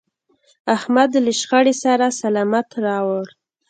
احمد له شخړې سر سلامت راوړ.